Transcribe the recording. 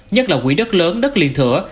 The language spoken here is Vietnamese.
nhất là quỹ đất lớn đất liên thửa